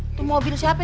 itu mobil siapa tuh